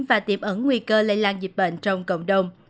và tiềm ẩn nguy cơ lây lan dịch bệnh trong cộng đồng